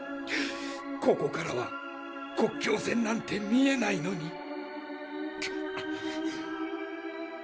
ここからは国境線なんて見えないのに。